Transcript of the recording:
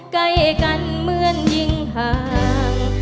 ใกล้กันเหมือนยิงห่าง